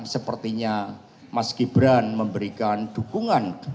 sepertinya mas gibran memberikan dukungan